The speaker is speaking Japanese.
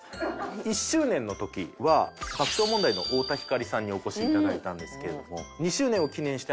１周年の時は爆笑問題の太田光さんにお越し頂いたんですけれども。